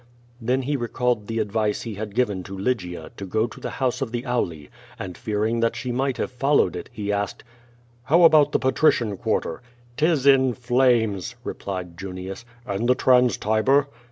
Then he recalled the advice he had given to Lygia, to go to the house of the Auli, and, fearing she might have follow ed it, he asked: "How about the Patrician quarter?" " 'Tis in flames," replied Junius. "And the Trans Tiber?"